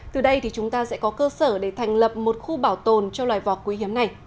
từ đây thì chúng ta sẽ có cơ sở để thành lập một khu bảo tồn cho loài vọc quý hiếm này